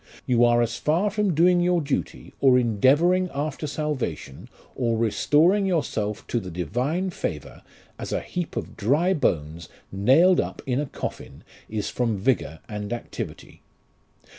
You are as far from doing your duty, or endeavouring after salvation, or restoring yourself to the Divine favour, as a heap of dry bones nailed up in a coffin is from vigour and activity.